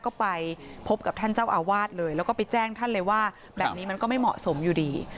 ก็ไปพบกับท่านเจ้าอาวาสเลยแล้วก็ไปแจ้งท่านเลยว่าแบบนี้มันก็ไม่เหมาะสมอยู่ดี